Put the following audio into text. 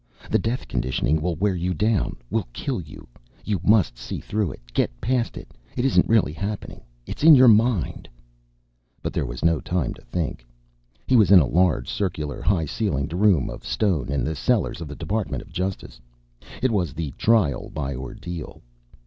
The death conditioning will wear you down, will kill you. You must see through it, get past it. It isn't really happening, it's in your mind.... But there was no time to think. He was in a large, circular, high ceilinged room of stone in the cellars of the Department of Justice. It was the Trial by Ordeal.